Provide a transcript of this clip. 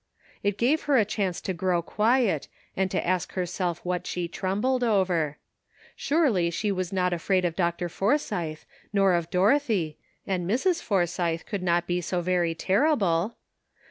It gave her a chance to grow quiet, and to ask herself what she trembled over. Certainly she was not afraid of Dr. Forsythe, nor of Dorothy, and Mrs. Forsythe could not be so very terrible.